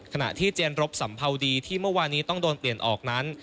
ขณะที่เจนรบสัมภาวดีที่เมื่อวานี้ต้องโดนเปลี่ยนออกนั้น